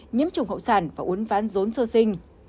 nhiếm trùng hậu sản và uốn ván dốn sơ sinh